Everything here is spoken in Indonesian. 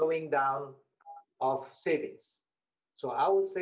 orang di bisnis hotel